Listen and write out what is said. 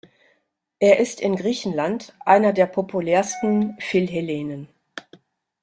Er ist in Griechenland einer der populärsten Philhellenen.